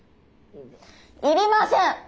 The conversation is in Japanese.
いりません！